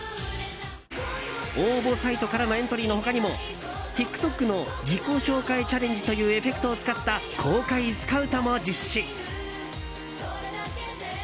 応募サイトからのエントリーの他にもＴｉｋＴｏｋの自己紹介チャレンジというエフェクトを使った公開スカウトも実施。